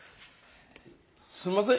すんません